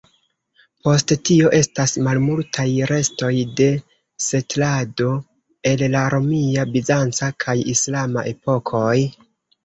Post tio estas malmultaj restoj de setlado el la romia, bizanca kaj islama epokoj.